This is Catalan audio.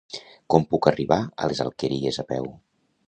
Com puc arribar a les Alqueries a peu?